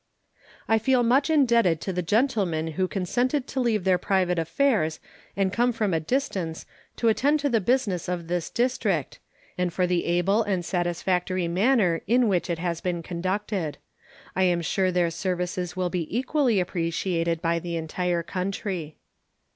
I feel much indebted to the gentlemen who consented to leave their private affairs and come from a distance to attend to the business of this District, and for the able and satisfactory manner in which it has been conducted. I am sure their services will be equally appreciated by the entire country.